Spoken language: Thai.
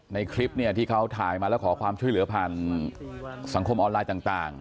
ในคลิปเนี่ยที่เขาถ่ายมาแล้วขอความช่วยเหลือผ่านสังคมออนไลน์ต่าง